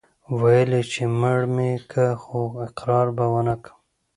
ويل يې چې مړ مې که خو اقرار به ونه کم.